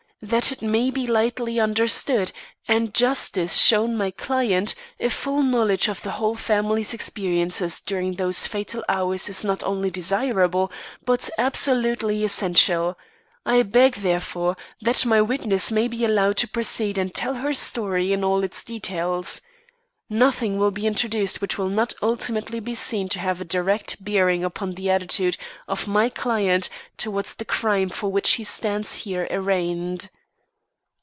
That it may be lightly understood, and justice shown my client, a full knowledge of the whole family's experiences during those fatal hours is not only desirable, but absolutely essential. I beg, therefore, that my witness may be allowed to proceed and tell her story in all its details. Nothing will be introduced which will not ultimately be seen to have a direct bearing upon the attitude of my client towards the crime for which he stands here arraigned."